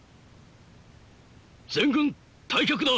全軍退却だ！